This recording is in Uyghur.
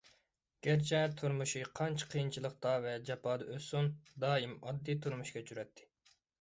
گەرچە تۇرمۇشى قانچە قىيىنچىلىقتا ۋە جاپادا ئۆتسۇن، دائىم ئاددىي تۇرمۇش كەچۈرەتتى.